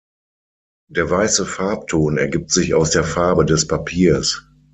Der weiße Farbton ergibt sich aus der Farbe des Papiers.